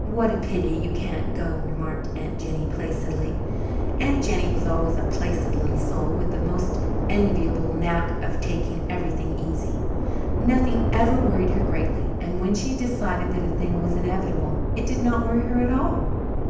"What a pity you can't go," remarked Aunt Jennie placidly. Aunt Jennie was always a placid little soul, with a most enviable knack of taking everything easy. Nothing ever worried her greatly, and when she had decided that a thing was inevitable it did not worry her at all.